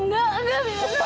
mila gak mau pak